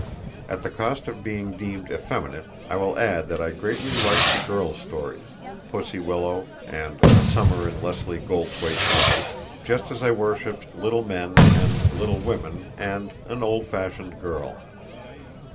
At the cost of being deemed effeminate, I will add that I greatly liked the girls' stories "Pussy Willow" and "A Summer in Leslie Goldthwaite's Life," just as I worshiped "Little Men" and "Little Women" and "An Old Fashioned Girl."